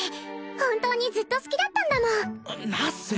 本当にずっと好きだったんだもんナッセ！